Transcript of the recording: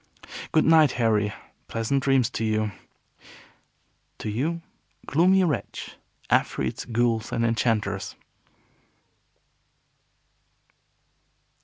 "Good night, Harry. Pleasant dreams to you." "To you, gloomy wretch, afreets, ghouls, and enchanters."